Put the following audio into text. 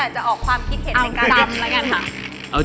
ชุก้า